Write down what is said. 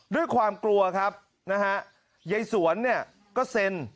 ด้วยความกลัวครับนะฮะยายสวนเนี่ยก็เซ็น